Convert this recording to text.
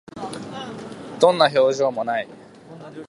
どんな表情も無い